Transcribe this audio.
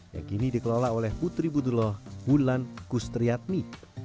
yang kini dikelola oleh putri budulo hulan kustriatmi